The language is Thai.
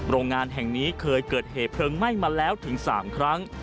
โรงงานแห่งนี้เคยเกิดเหตุเพลิงไหม้มาแล้วถึง๓ครั้ง